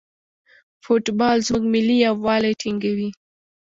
فوټبال زموږ ملي یووالی ټینګوي.